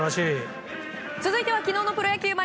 続いては昨日のプロ野球。